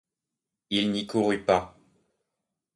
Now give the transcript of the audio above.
Il n’y courut pas.